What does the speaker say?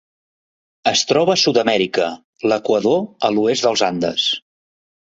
Es troba a Sud-amèrica: l'Equador a l'oest dels Andes.